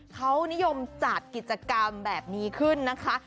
เขานิยมจัดกิจกรรมแบบนี้ขึ้นนะคะ